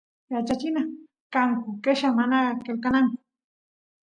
yachachina kanku qella mana qelqananku